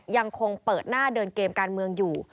ยังคงเปิดหน้าเดินเกมการเมืองอยู่